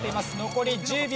残り１０秒。